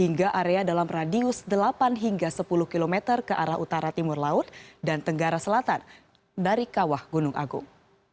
hingga area dalam radius delapan hingga sepuluh km ke arah utara timur laut dan tenggara selatan dari kawah gunung agung